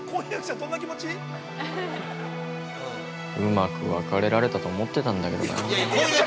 ◆うまく別れられたと思ってたんだけどな。